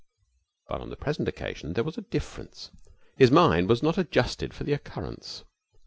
But on the present occasion there was a difference. His mind was not adjusted for the occurrence.